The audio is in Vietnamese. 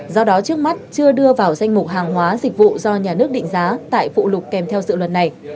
do đó trước mắt chưa đưa vào danh mục hàng hóa dịch vụ do nhà nước định giá tại phụ lục kèm theo dự luật này